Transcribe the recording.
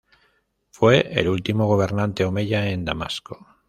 Fue el último gobernante omeya en Damasco.